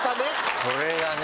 これがね。